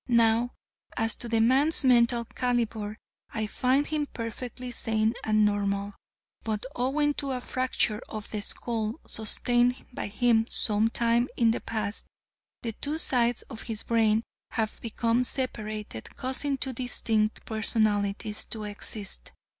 Now as to the man's mental calibre, I find him perfectly sane and normal. But owing to a fracture of the skull sustained by him some time in the past, the two sides of his brain have become separated, causing two distinct personalities to exist.